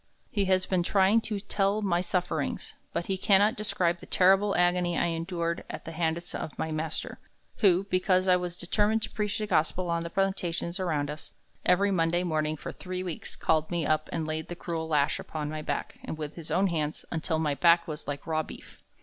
He has been trying to tell my sufferings, but he cannot describe the terrible agony I endured at the hands of my master, who, because I was determined to preach the gospel on the plantations around us, every Monday morning for three weeks called me up and laid the cruel lash upon my back with his own hands until my back was like raw beef.